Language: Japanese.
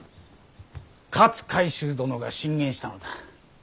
勝海舟殿が進言したのだ。